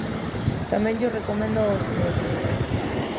Tamén llo recomendo ao señor Centeo.